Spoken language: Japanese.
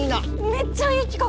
めっちゃいい企画！